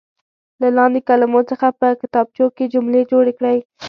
له لاندې کلمو څخه په کتابچو کې جملې جوړې کړئ.